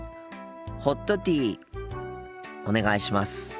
ホットティーお願いします。